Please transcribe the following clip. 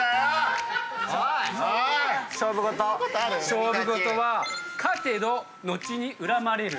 勝負事は「勝てど後に恨まれる」